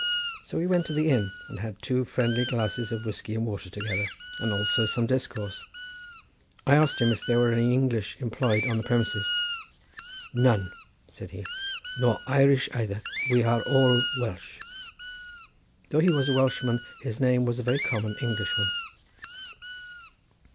So we went to the inn, and had two friendly glasses of whiskey and water together, and also some discourse. I asked him if there were any English employed on the premises. "None," said he, "nor Irish either; we are all Welsh." Though he was a Welshman, his name was a very common English one.